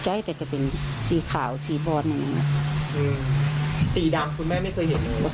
ใช่แต่จะเป็นสีขาวสีบอลสีดำคุณแม่ไม่เคยเห็นเลยว่า